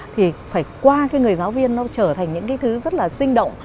thì phải qua cái người giáo viên nó trở thành những cái thứ rất là sinh động